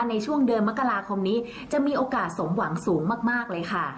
ในช่วงเดือนมกราคมนี้จะมีโอกาสสมหวังสูงมากเลยค่ะ